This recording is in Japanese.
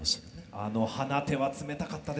あの「放て」は冷たかったですね。